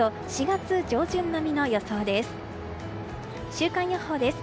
週間予報です。